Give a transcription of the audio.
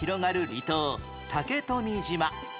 離島竹富島